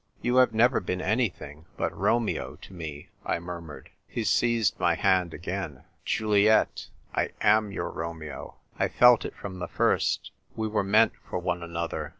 You have never been anything but Romeo to me," I murmured. He seized my hand again. "Juliet, I am your Romeo. I felt it from the first. We were meant for one another."